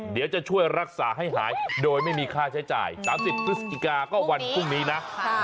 เดี๋ยวจะช่วยรักษาให้หายโดยไม่มีค่าใช้จ่าย๓๐พฤศจิกาก็วันพรุ่งนี้นะ